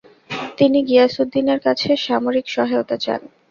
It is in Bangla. তিনি গিয়াসউদ্দিনের কাছে সামরিক সহায়তা চান।